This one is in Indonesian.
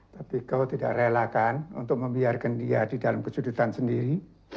tapi kau tidak relakan untuk membiarkan dia di dalam kejudutan sendiri